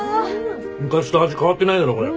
昔と味変わってないだろこれ。